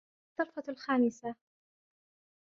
الطرفة الخامسة